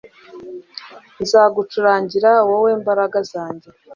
nzagucurangira, wowe mbaraga zanjye